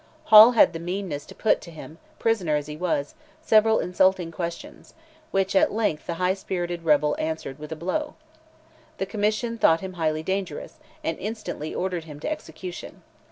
Hall had the meanness to put to him, prisoner as he was, several insulting questions, which at length the high spirited rebel answered with a blow. The Commission thought him highly dangerous, and instantly ordered him to execution.